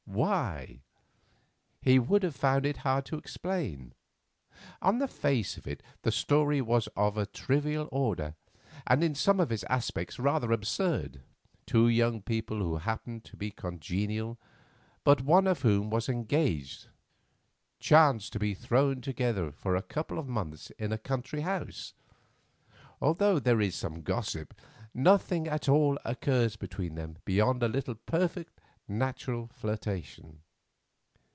Why? He would have found it hard to explain. On the face of it, the story was of a trivial order, and in some of its aspects rather absurd. Two young people who happened to be congenial, but one of whom was engaged, chance to be thrown together for a couple of months in a country house. Although there is some gossip, nothing at all occurs between them beyond a little perfectly natural flirtation.